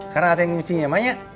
sekarang ada yang nyuci emangnya